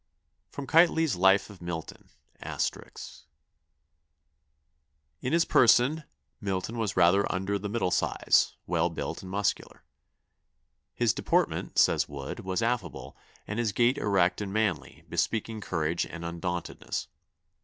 [Sidenote: Keightley's Life of Milton. *] "In his person Milton was rather under the middle size, well built and muscular. 'His deportment,' says Wood, 'was affable, and his gait erect and manly, bespeaking courage and undauntedness.